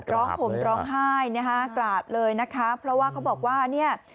ร้องผมร้องไห้นะคะกราบเลยนะคะเพราะว่าเขาบอกว่าเนี่ย